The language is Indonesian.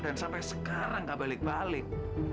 dan sampai sekarang gak balik balik